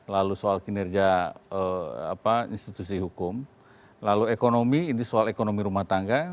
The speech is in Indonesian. lalu soal kinerja institusi hukum lalu ekonomi ini soal ekonomi rumah tangga